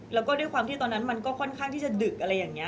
แล้วก็ด้วยความที่ตอนนั้นมันก็ค่อนข้างที่จะดึกอะไรอย่างนี้